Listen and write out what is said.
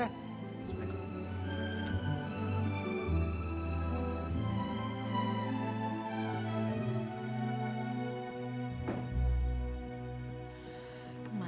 tidak saya harus kemana